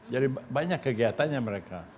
jadi banyak kegiatannya mereka